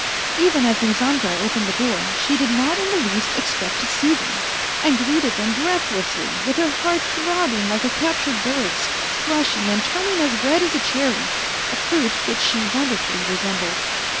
Even as Lizanka opened the door she did not in the least expect to see them, and greeted them breathlessly, with her heart throbbing like a captured bird's, flushing and turning as red as a cherry, a fruit which she wonderfully resembled.